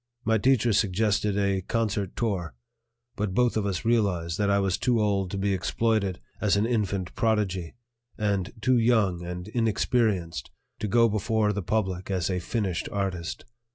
My teacher suggested a concert tour; but both of us realized that I was too old to be exploited as an infant prodigy and too young and inexperienced to go before the public as a finished artist.